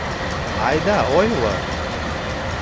Айда ойло.